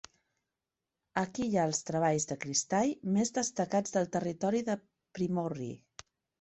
Aquí hi ha els treballs de cristall més destacats del territori de Primórie.